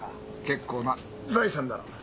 結構な財産だろう。